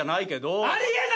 あり得ないよ